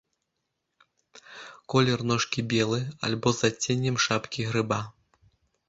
Колер ножкі белы або з адценнем шапкі грыба.